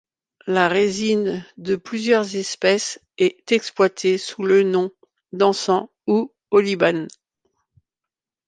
La résine de plusieurs espèces est exploitée sous le nom d'encens ou oliban.